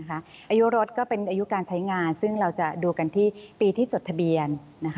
อายุรถก็เป็นอายุการใช้งานซึ่งเราจะดูกันที่ปีที่จดทะเบียน